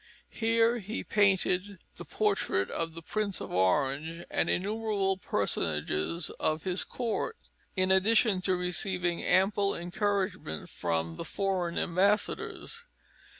Here he painted the portrait of the Prince of Orange and innumerable personages of his Court, in addition to receiving ample encouragement from the foreign ambassadors.